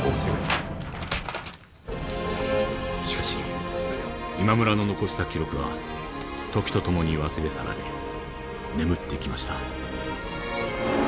しかし今村の残した記録は時とともに忘れ去られ眠ってきました。